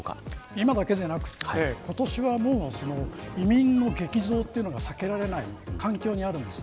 今だけでなく、今年は移民の激増というのが避けられない環境にあるんです。